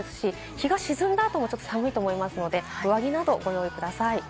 日が沈んだ後も寒いと思いますので、上着などをご用意ください。